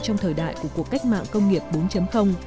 trong thời đại của cuộc cách mạng công nghiệp bốn